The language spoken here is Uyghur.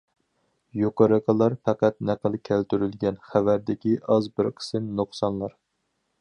يۇقىرىقىلار پەقەت نەقىل كەلتۈرۈلگەن خەۋەردىكى ئاز بىر قىسىم نۇقسانلار.